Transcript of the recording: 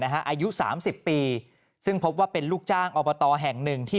อายุ๓๐ปีซึ่งพบว่าเป็นลูกจ้างอบตแห่งหนึ่งที่